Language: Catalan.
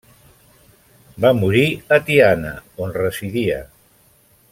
Va morir a Tiana, on residia.